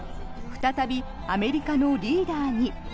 再びアメリカのリーダーに。